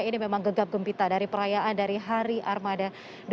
ini memang gegap gempita dari perayaan dari hari armada dua ribu dua puluh satu